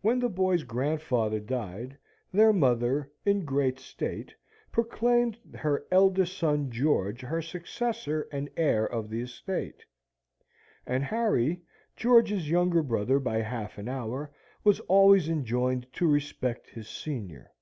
When the boys' grandfather died, their mother, in great state, proclaimed her eldest son George her successor and heir of the estate; and Harry, George's younger brother by half an hour, was always enjoined to respect his senior.